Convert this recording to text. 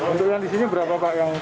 untuk yang di sini berapa pak